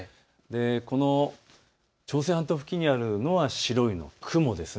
この朝鮮半島付近にある白いのが雲です。